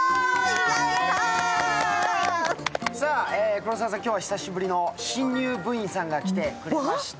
黒沢さん、今日は久しぶりの新入部員が来てくれました。